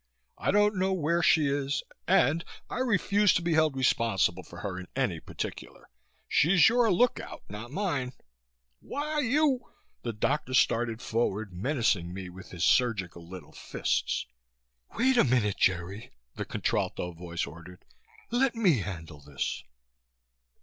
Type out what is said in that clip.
"I don't know where she is and I refuse to be held responsible for her in any particular. She's your look out, not mine." "Why, you! " The doctor started forward, menacing me with his surgical little fists. "Wait a minute, Jerry," the contralto voice ordered. "Let me handle this!"